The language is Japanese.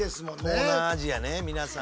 東南アジアね皆さん。